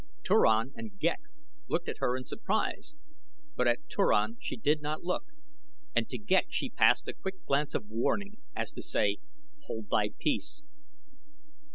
Turan and Ghek looked at her in surprise, but at Turan she did not look, and to Ghek she passed a quick glance of warning, as to say: "Hold thy peace."